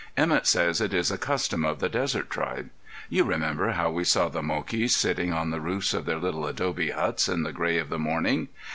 Emett says it is a custom of the desert tribe. You remember how we saw the Mokis sitting on the roofs of their little adobe huts in the gray of the morning.